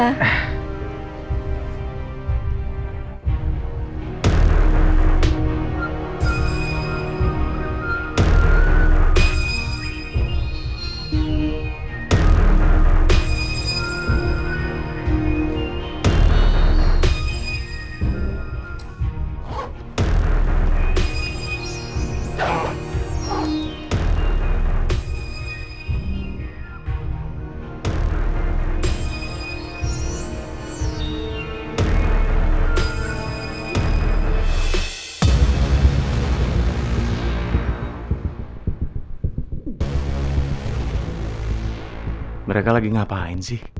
nih mereka babanya sihal ini